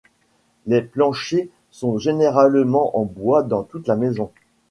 Les planchers sont généralement en bois dans toute la maison.